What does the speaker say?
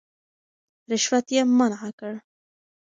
رشوت يې منع کړ.